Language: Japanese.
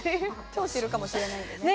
今日、知るかもしれない。